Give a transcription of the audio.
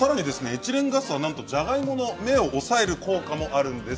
エチレンガスはなんとじゃがいもの芽を抑える効果もあるんです。